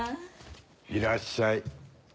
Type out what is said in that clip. いらっしゃい。